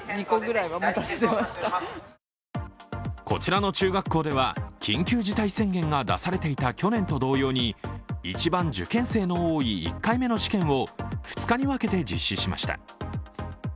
こちらの中学校では、緊急事態宣言が出されていた去年と同様に一番受験生の多い１回目の試験を２日に分けて実施しました。